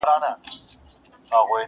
یو خوا مُلا دی بل خوا کرونا ده!!